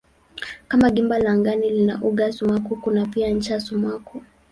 Kama gimba la angani lina uga sumaku kuna pia ncha sumaku.